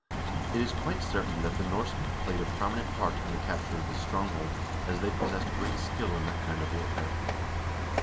It is quite certain that the Norsemen played a prominent part in the capture of this stronghold, as they possessed great skill in that kind of warfare.